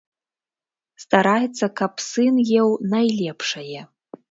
Стараецца, каб сын еў найлепшае.